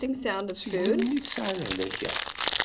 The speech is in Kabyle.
Seg melmi i tesɛa lehlak-a?